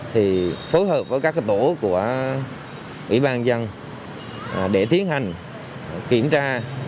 thì phối hợp với các tổ của ủy ban dân để tiến hành kiểm tra